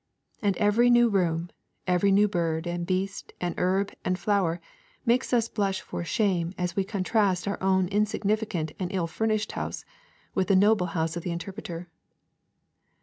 And every new room, every new bird, and beast, and herb, and flower makes us blush for shame as we contrast our own insignificant and ill furnished house with the noble house of the Interpreter.